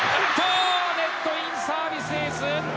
ネットインサービスエース。